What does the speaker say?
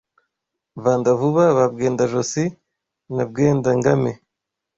Banda-vuba ba Bwenda-josi na Bwenda-ngame